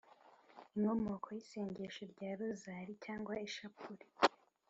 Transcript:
inkomoko y’isengesho rya rozali cyangwa ishapule